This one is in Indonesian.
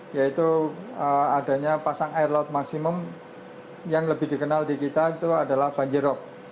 yaitu adanya pasang air laut maksimum yang lebih dikenal di kita itu adalah banjirop